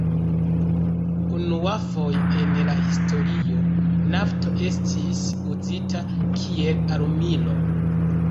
Unuafoje en la historio nafto estis uzita kiel armilo.